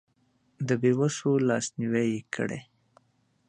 د بې وسو لاسنیوی یې کړی.